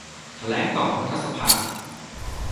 แถลงต่อรัฐสภา